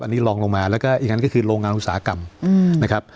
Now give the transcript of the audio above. อันนี้ลองลงมาแล้วก็อีกอันก็คือโรงงานอุตสาหกรรมนะครับ